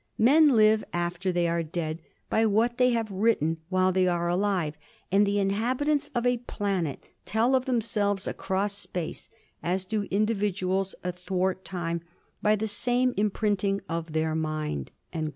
Men live after they are dead by what they have written while they are alive, and the inhabitants of a planet tell of themselves across space as do individuals athwart time by the same imprinting of their mind."